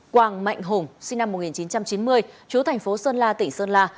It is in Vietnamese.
quang mạnh hùng sinh năm một nghìn chín trăm chín mươi chú thành phố sơn la tỉnh sơn la